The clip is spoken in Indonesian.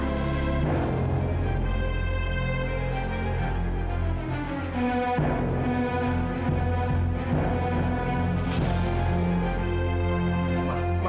mama mama jangan begitu dulu ma